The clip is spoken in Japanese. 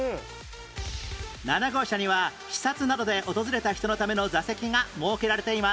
７号車には視察などで訪れた人のための座席が設けられています